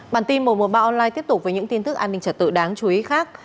bản tin một trăm một mươi ba online tiếp tục với những tin tức an ninh trật tự đáng chú ý khác